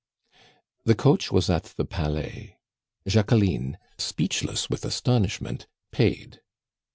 The coach was at the Palais. Jacqueline, speechless with astonishment, paid.